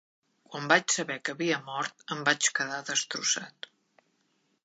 Quan vaig saber que havia mort, em vaig quedar destrossat.